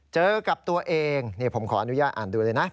เจอกับตัวเองนี่ผมขออนุญาตอ่านดูเลยนะ